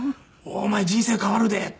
「お前人生変わるで」って。